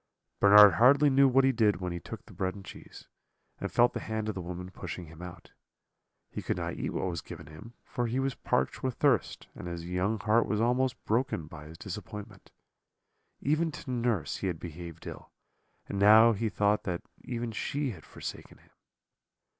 "Bernard hardly knew what he did when he took the bread and cheese, and felt the hand of the woman pushing him out. He could not eat what was given him, for he was parched with thirst, and his young heart was almost broken by his disappointment. Even to nurse he had behaved ill, and now he thought that even she had forsaken him.